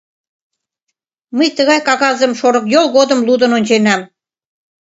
Мый тыгай кагазым Шорыкйол годым лудын онченам.